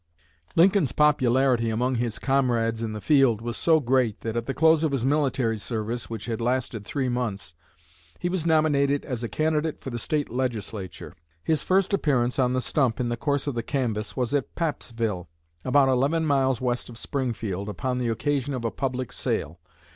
Lincoln's popularity among his comrades in the field was so great that at the close of his military service, which had lasted three months, he was nominated as a candidate for the State Legislature. "His first appearance on the stump in the course of the canvass was at Pappsville, about eleven miles west of Springfield, upon the occasion of a public sale.